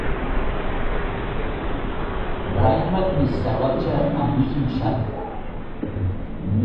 Bhraith muid níos sábháilte amuigh ansin.